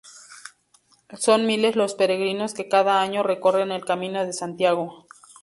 Son miles los peregrinos que cada año recorren el Camino de Santiago.